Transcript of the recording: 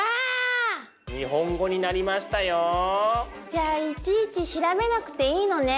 じゃあいちいち調べなくていいのね。